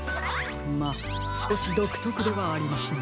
まあすこしどくとくではありますが。